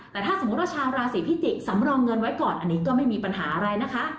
แต่ถ้าสมมุติว่าชาวราศีพิจิกษ์สำรองเงินไว้ก่อนอันนี้ก็ไม่มีปัญหาอะไรนะคะ